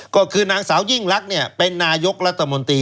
ก็คือนางสาวยิ่งลักษณ์เป็นนายกรัฐมนตรี